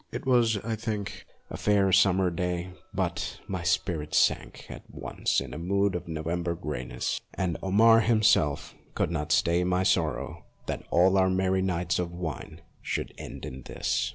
It was, I think, a fair summer day, but my spirit sank at once in a mood of November greyness, and Omar himself could not stay my sorrow that all our merry nights of wine should end in this.